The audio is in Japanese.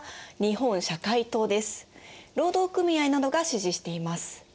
労働組合などが支持しています。